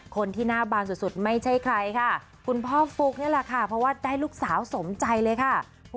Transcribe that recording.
คนที่หน้าบานสุดไม่ใช่ใครค่ะคุณพ่อฟุ๊กนี่แหละค่ะเพราะว่าได้ลูกสาวสมใจเลยค่ะ